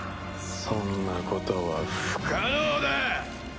そんなことは不可能だ！